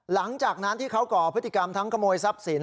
หลังจากนั้นที่เขาก่อพฤติกรรมทั้งขโมยทรัพย์สิน